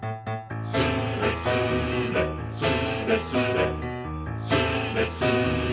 「スレスレスレスレ」「スレスレスーレスレ」